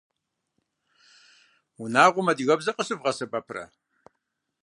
Унагъуэм адыгэбзэр къыщывгъэсэбэпрэ?